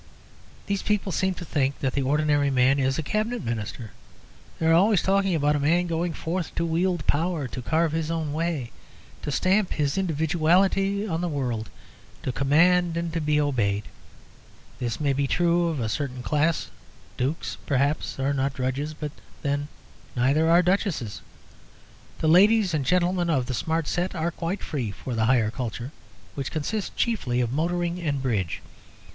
These people seem to think that the ordinary man is a Cabinet Minister. They are always talking about man going forth to wield power, to carve his own way, to stamp his individuality on the world, to command and to be obeyed. This may be true of a certain class. Dukes, perhaps, are not drudges; but, then, neither are Duchesses. The Ladies and Gentlemen of the Smart Set are quite free for the higher culture, which consists chiefly of motoring and Bridge.